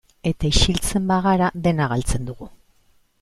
Eta isiltzen bagara, dena galtzen dugu.